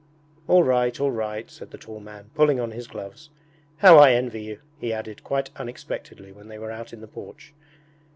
'All right, all right!' said the tall man, pulling on his gloves. 'How I envy you!' he added quite unexpectedly when they were out in the porch.